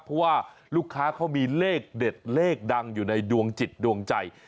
เพราะว่าลูกค้าเขามีเลขเด็ดเลขดังอยู่ในดวงจิตดวงใจ